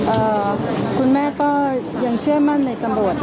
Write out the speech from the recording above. เอ่อคุณแม่ก็ยังเชื่อมั่นในตำรวจนะคะ